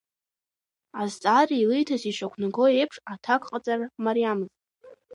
Азҵаара илиҭаз ишақәнаго еиԥш аҭакҟаҵара мариамызт.